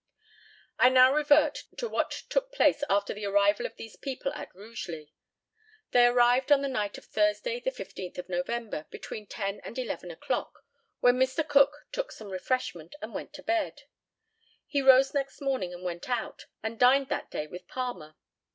I now revert to what took place after the arrival of these people at Rugeley. They arrived on the night of Thursday, the 15th of November, between ten and eleven o'clock, when Mr. Cook took some refreshment and went to bed. He rose next morning and went out, and dined that day with Palmer.